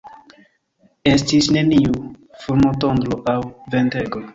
Estis neniu fulmotondro aŭ ventego.